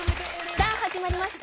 さあ始まりました。